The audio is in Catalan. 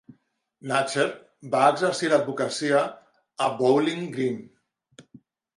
Natcher va exercir l'advocacia a Bowling Green.